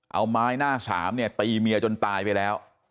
เอาไม้หน้าสามเนี่ยตีเมียจนตายไปแล้ว